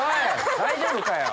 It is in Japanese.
大丈夫かよ。